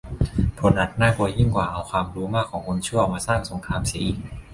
ผลอาจน่ากลัวยิ่งกว่าเอาความรู้มากของคนชั่วมาสร้างสงครามเสียอีก